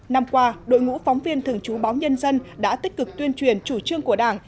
năm qua đội ngũ phóng viên thường trú báo nhân dân đã tích cực tuyên truyền chủ trương của đảng